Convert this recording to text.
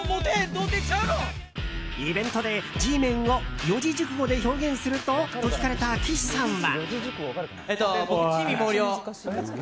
イベントでＧメンを四字熟語で表現すると？と聞かれた岸さんは。